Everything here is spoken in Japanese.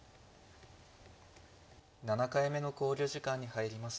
７回目の考慮時間に入りました。